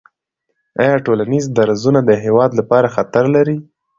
آیا ټولنیز درزونه د هېواد لپاره خطر لري؟